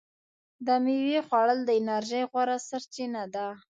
د میوې خوړل د انرژۍ غوره سرچینه ده.